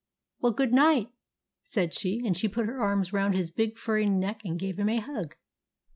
" Well, good night," said she, and she put her arms round his big furry neck and gave him a hug.